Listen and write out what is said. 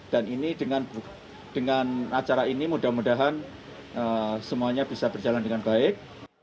dan ini dengan acara ini mudah mudahan semuanya bisa berjalan dengan baik